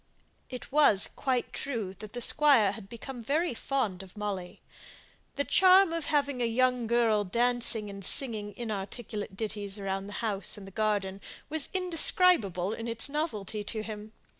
It was quite true that the Squire had become very fond of Molly. The charm of having a young girl dancing and singing inarticulate ditties about the house and garden, was indescribable in its novelty to him.